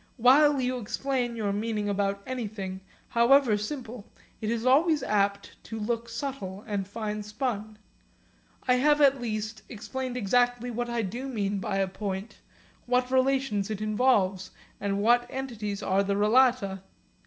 While you explain your meaning about anything, however simple, it is always apt to look subtle and fine spun. I have at least explained exactly what I do mean by a point, what relations it involves and what entities are the relata.